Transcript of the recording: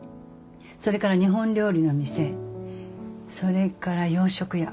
それから日本料理の店それから洋食屋。